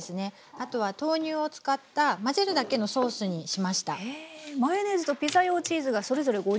あとは豆乳を使った混ぜるだけのソースにしました。